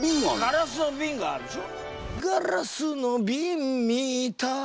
ガラスのビンがあるでしょ。